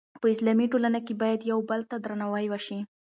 په اسلامي ټولنه کې باید یو بل ته درناوی وشي.